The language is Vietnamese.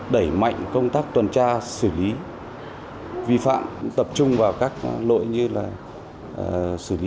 ban hành kế hoạch cao điểm tuần tra kiểm soát